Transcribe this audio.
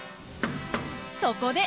そこで！